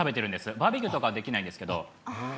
バーベキューとかはできないんですけど。